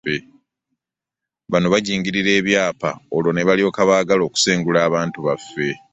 Bano bajingirira ebyapa olwo ne balyoka baagala okusengula abantu baffe